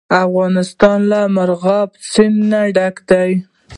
افغانستان له مورغاب سیند ډک دی.